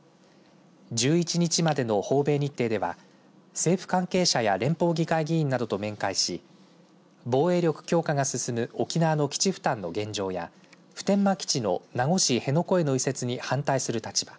１１日までの訪米日程では政府関係者や連邦議会議員などと面会し防衛力強化が進む沖縄の基地負担の現状や普天間基地の名護市辺野古への移設に反対する立場